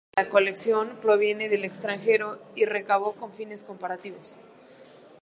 Una parte de la colección proviene del extranjero y se recabó con fines comparativos.